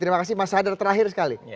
terima kasih mas hadar terakhir sekali